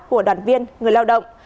của đoàn viên người lao động